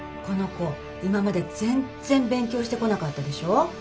この子今まで全然勉強してこなかったでしょ。